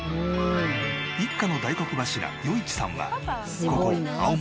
一家の大黒柱余一さんはここ青森県南部町出身。